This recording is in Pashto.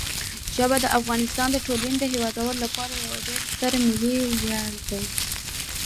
ژبې د افغانستان د ټولو هیوادوالو لپاره یو ډېر ستر ملي ویاړ دی.